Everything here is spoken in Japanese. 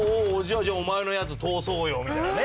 「じゃあお前のやつ通そうよ」みたいなね。